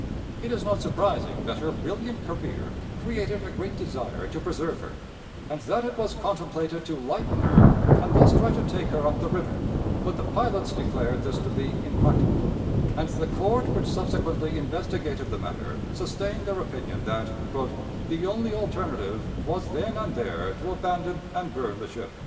It is not surprising that her brilliant career created a great desire to preserve her, and that it was contemplated to lighten her and thus try to take her up the river, but the pilots declared this to be impracticable, and the court which subsequently investigated the matter sustained their opinion that "the only alternative was then and there to abandon and burn the ship."